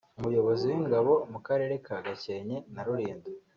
umuyobozi w'Ingabo mu Karere ka Gakenke na Rulindo